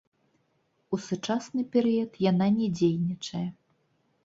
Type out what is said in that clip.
У сучасны перыяд яна не дзейнічае.